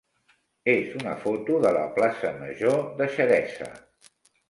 és una foto de la plaça major de Xeresa.